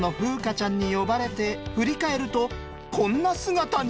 ちゃんに呼ばれて振り返るとこんな姿に。